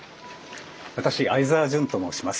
私鮎沢潤と申します。